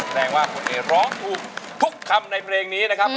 แสดงว่าคุณเอร้องถูกทุกคำในเพลงนี้นะครับ